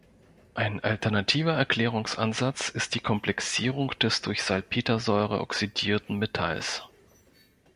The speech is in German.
Ein alternativer Erklärungsansatz ist die Komplexierung des durch Salpetersäure oxidierten Metalls.